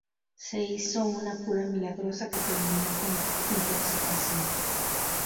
Se hizo una cura milagrosa que terminó con intoxicación.